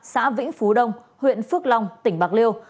xã vĩnh phú đông huyện phước long tỉnh bạc liêu